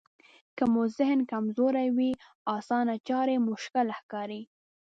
که مو ذهن کمزوری وي اسانه چارې مشکله ښکاري.